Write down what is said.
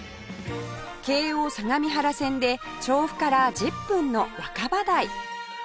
京王相模原線で調布から１０分の若葉台